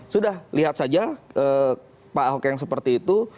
sudah lihat saja pak ahok yang seperti itu